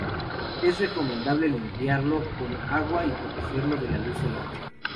Es recomendable limpiarlo con agua y protegerlo del la luz solar.